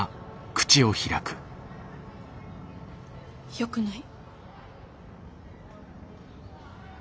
よくない。